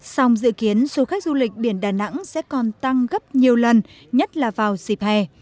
song dự kiến số khách du lịch biển đà nẵng sẽ còn tăng gấp nhiều lần nhất là vào dịp hè